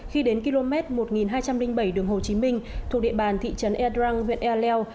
khi đến km một nghìn hai trăm linh bảy đường hồ chí minh thuộc địa bàn thị trấn e drunk huyện e leo